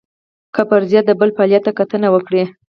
که پر فرضیه د بل فعالیت ته کتنه وکړو.